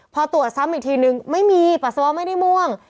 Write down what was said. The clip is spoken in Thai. พอตรวจซ้ำอีกทีนึงไม่มีปัสสาวะไม่ได้ม่วง